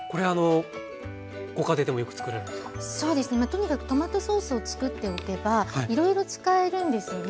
とにかくトマトソースをつくっておけばいろいろ使えるんですよね。